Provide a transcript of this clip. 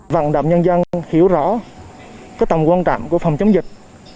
vận đạp nhân dân hiểu rõ tầm quan trọng của phòng chống dịch